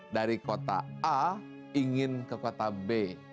dari kota a ingin ke kota b